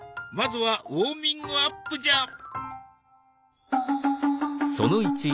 まずはウォーミングアップじゃ！